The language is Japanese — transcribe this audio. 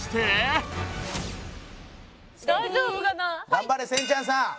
頑張れせんちゃんさん！